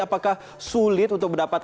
apakah sulit untuk mendapatkan